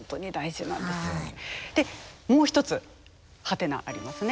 でもう一つ「？」ありますね